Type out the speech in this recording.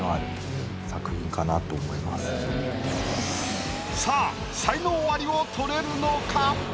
すごくさあ才能アリを取れるのか？